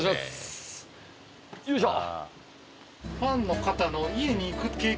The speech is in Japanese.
よいしょ